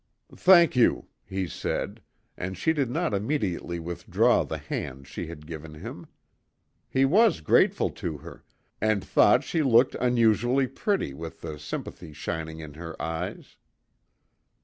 "Thank you," he said, and she did not immediately withdraw the hand she had given him. He was grateful to her, and thought she looked unusually pretty with the sympathy shining in her eyes.